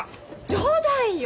冗談よ！